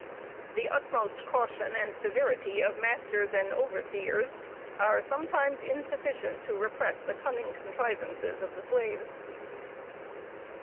The utmost caution and severity of masters and overseers, are sometimes insufficient to repress the cunning contrivances of the slaves.